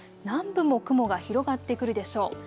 南部も雲が広がってくるでしょう。